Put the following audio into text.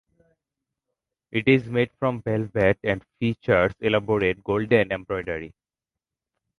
It is made from velvet and features elaborate golden embroidery.